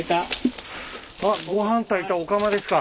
あごはん炊いたお釜ですか。